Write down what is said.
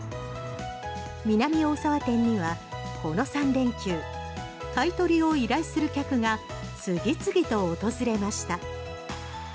南大沢店には、この３連休買い取りを依頼する客が次々と訪れました。